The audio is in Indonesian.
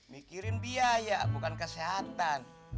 pikirin biaya bukan kesehatan